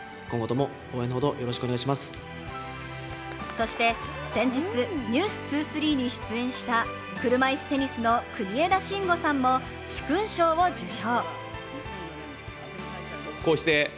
そして先日「ｎｅｗｓ２３」に出演した車いすテニスの国枝慎吾さんも殊勲賞を受賞。